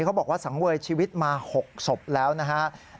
บอกว่าสังเวยชีวิตมา๖ศพแล้วนะครับ